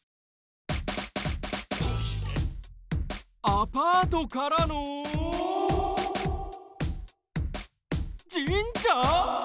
アパートからの神社！？